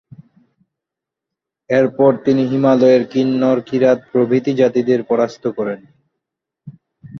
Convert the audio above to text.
এরপর তিনি হিমালয়ের কিন্নর, কিরাত প্রভৃতি জাতিদের পরাস্ত করেন।